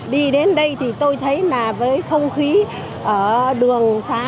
đi đến đây thì tôi thấy là với không khí ở đường xá